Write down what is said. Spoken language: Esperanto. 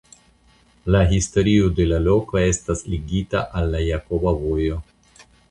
La historio de la loko estas ligita al la Jakoba Vojo.